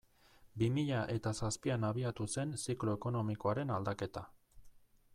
Bi mila eta zazpian abiatu zen ziklo ekonomikoaren aldaketa.